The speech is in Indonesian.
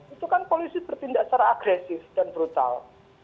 itu kan polisi bertindak secara agresif dan brutal